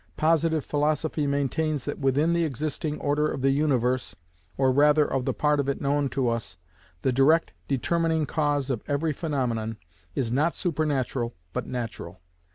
Positive Philosophy maintains that within the existing order of the universe, or rather of the part of it known to us, the direct determining cause of every phaenomenon is not supernatural but natural.